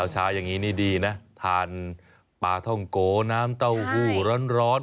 ชาอย่างนี้นี่ดีนะทานปลาท่องโกน้ำเต้าหู้ร้อน